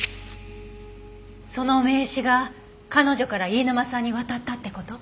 その名刺が彼女から飯沼さんに渡ったって事？